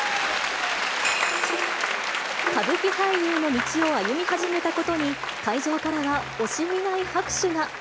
歌舞伎俳優の道を歩み始めたことに、会場からは惜しみない拍手が。